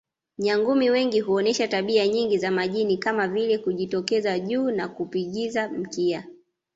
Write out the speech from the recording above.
Nyangumi wengi huonesha tabia nyingi za majini kama vile kujitokeza juu na kupigiza mkia